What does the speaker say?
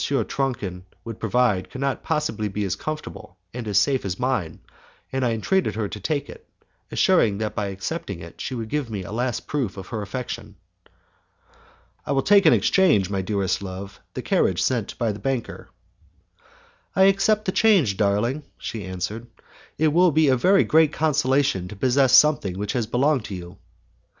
Tronchin would provide could not possibly be as comfortable and as safe as mine, and I entreated her to take it, assuring her that by accepting it she would give me a last proof of her affection. "I will take in exchange, my dearest love, the carriage sent by the banker." "I accept the change, darling," she answered, "it will be a great consolation to possess something which has belonged to you."